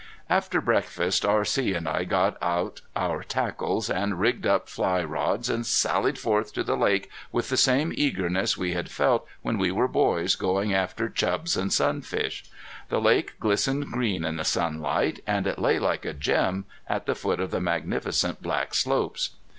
After breakfast R.C. and I got out our tackles and rigged up fly rods, and sallied forth to the lake with the same eagerness we had felt when we were boys going after chubs and sunfish. The lake glistened green in the sunlight and it lay like a gem at the foot of the magnificent black slopes.